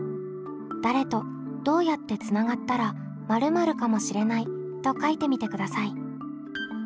誰とどうやってつながったら○○かもしれないと書いてみてください。